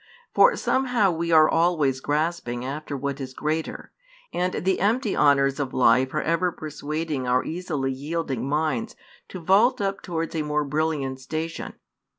For somehow we are always grasping after what is greater, and the empty honours of life are ever persuading our easily yielding |184 minds to vault up towards a more brilliant station.